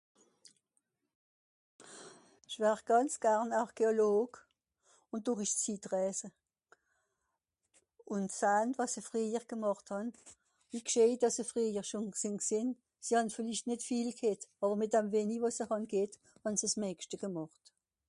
sch'war gànz garn Archéologue ùn dòrich sii drässe ùn d'sahnt wàs'i freijer gemàcht hàn wie g'scheit dàss'e freijer schòn sìn g'sìn sie hàn villicht nìt viel g'hett àwer mìt àm weni dàss'i hàn g'hett hàn'se s'mägschte gemàcht